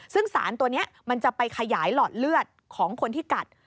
ซึ่งสารตัวนี้มันจะไปขยายหลอดเลือดของคนที่กัด